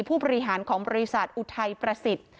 ผู้บริหารของบริษัทอุทัยประสิทธิ์